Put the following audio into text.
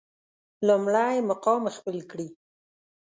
لومړی مقام خپل کړي.